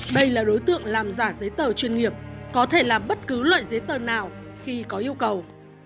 đây là đối tượng làm giả giấy tờ chuyên nghiệp có thể làm bất cứ loại giấy tờ nào khi có yêu cầu